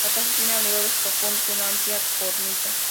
La casa tiene aleros profundos y una amplia cornisa.